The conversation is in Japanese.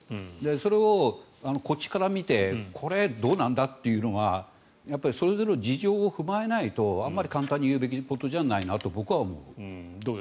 それをこっちから見てこれ、どうなんだっていうのはそれぞれの事情を踏まえないとあまり簡単に言うべきことじゃないと僕は思う。